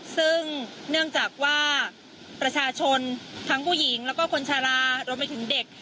ซึ่งเนื่องจากว่าประชาชนทั้งผู้หญิงแล้วก็คนชะลารวมไปถึงเด็ก